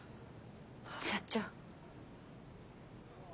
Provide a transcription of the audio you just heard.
社長。